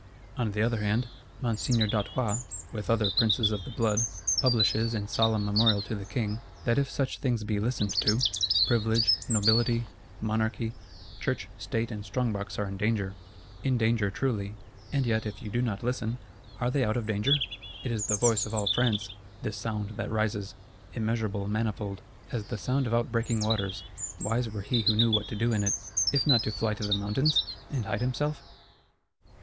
On the other hand, Monseigneur d'Artois, with other Princes of the Blood, publishes, in solemn Memorial to the King, that if such things be listened to, Privilege, Nobility, Monarchy, Church, State and Strongbox are in danger. In danger truly: and yet if you do not listen, are they out of danger? It is the voice of all France, this sound that rises. Immeasurable, manifold; as the sound of outbreaking waters: wise were he who knew what to do in it,—if not to fly to the mountains, and hide himself?